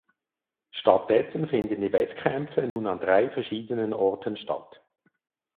Stattdessen finden die Wettkämpfe nun an drei verschiedenen Orten statt.